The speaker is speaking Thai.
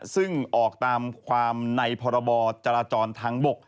ซึ่งออกตามความในพรบจราจรทางบก